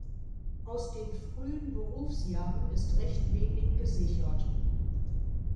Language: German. Aus den frühen Berufsjahren ist recht wenig gesichert.